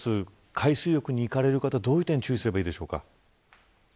海水浴に行かれる方はどういう点に注意すればいいでしょうか。